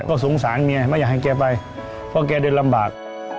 ก็สงสารเมียไม่อยากให้แกไปเพราะแกเดินลำบาก